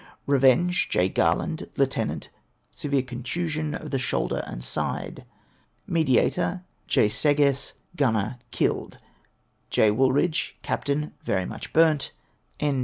Revenge, J. Garland, Lieut. ; severe contusion of the shoulder and side. Mediator, J. Segess, Gunner; killed. J. Wooldridge, Capt. ; very much burnt. N.